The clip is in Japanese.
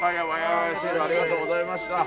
ありがとうございます。